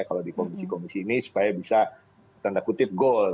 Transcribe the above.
kalau di komisi komisi ini supaya bisa tanda kutip goal